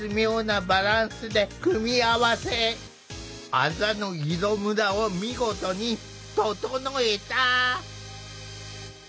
あざの色むらを見事に整えた！